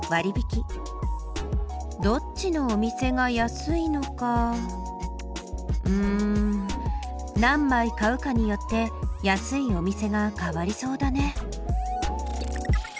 どっちのお店が安いのかうん何枚買うかによって安いお店が変わりそうだね。